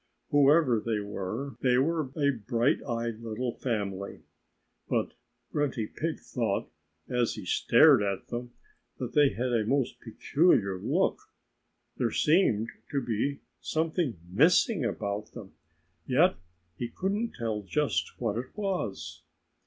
Whoever they were, they were a bright eyed little family. But Grunty Pig thought, as he stared at them, that they had a most peculiar look. There seemed to be something missing about them. Yet he couldn't tell just what it was.